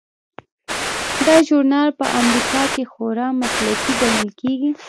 دا ژورنال په امریکا کې خورا مسلکي ګڼل کیږي.